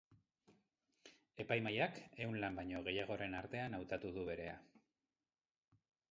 Epaimahaiak ehun lan baino gehiagoren artean hautatu du berea.